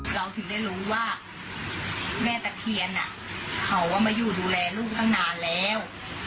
เราถึงได้รู้ว่าแม่ตะเคียนเขามาอยู่ดูแลลูกตั้งนานแล้ว